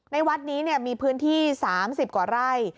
วัดนี้มีพื้นที่๓๐กว่าไร่